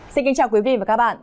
xin kính chào quý vị và các bạn